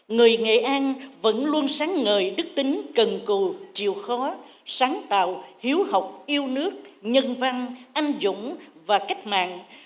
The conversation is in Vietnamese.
người nghệ an vẫn luôn sáng ngời đức tính cần cù chịu khó sáng tạo hiếu học yêu nước nhân văn anh dũng và cách mạng